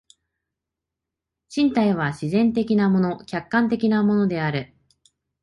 身体は自然的なもの、客観的なものである。